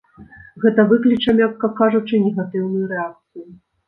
Гэта выкліча, мякка кажучы, негатыўную рэакцыю.